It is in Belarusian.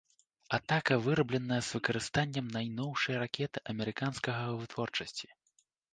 Атака вырабленая з выкарыстаннем найноўшай ракеты амерыканскага вытворчасці.